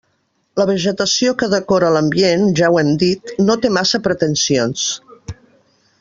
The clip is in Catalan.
La vegetació que decora l'ambient, ja ho hem dit, no té massa pretensions.